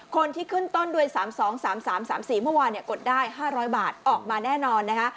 คนที่ขึ้นต้นด้วย๓๒๓๓๔เมื่อวานกดได้๕๐๐บาทออกมาแน่นอนนะคะ